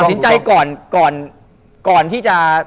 ตัวสินใจก่อนที่จะ